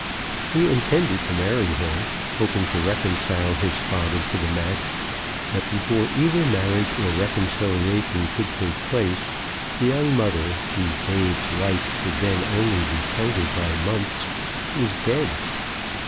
He intended to marry her, hoping to reconcile his father to the match; but before either marriage or reconciliation could take place the young mother, whose babe's life could then only be counted by months, was dead.